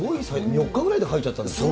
４日ぐらいで描いちゃったんですね。